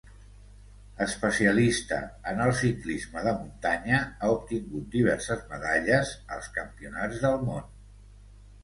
Especialista en el ciclisme de muntanya, ha obtingut diverses medalles als Campionats del món.